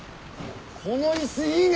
この椅子いいね！